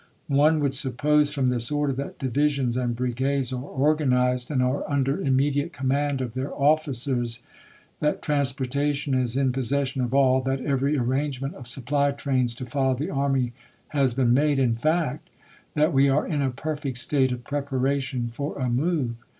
One would suppose from this order that divisions and brigades are organized, and are under immediate command of their officers ; that transportation is in pos session of all ; that every arrangement of supply trains to follow the army has been made ; in fact, that we are in a perfect state of preparation for a move.